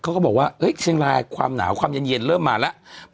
เขาก็บอกว่าเชียงรายความหนาวความเย็นเริ่มมาแล้ว